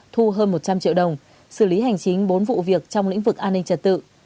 thu hơn một trăm linh triệu đồng xử lý hành chính bốn vụ việc trong lĩnh vực an ninh trật tự